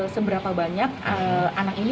seberapa banyak anak ini